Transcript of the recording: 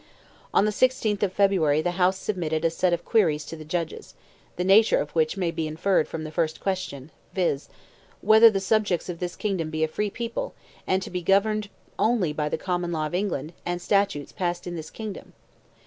On the 16th of February the House submitted a set of queries to the Judges, the nature of which may be inferred from the first question, viz.: "Whether the subjects of this Kingdom be a free people, and to be governed only by the common law of England, and statutes passed in this Kingdom